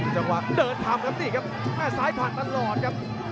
จังหวะเดินทำครับนี่ครับแม่ซ้ายผ่านตลอดครับ